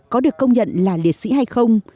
có được công nhận là liệt sĩ hay không